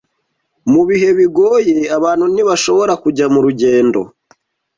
Mu bihe bigoye, abantu ntibashobora kujya murugendo,